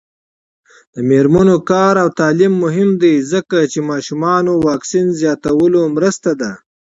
د میرمنو کار او تعلیم مهم دی ځکه چې ماشومانو واکسین زیاتولو مرسته ده.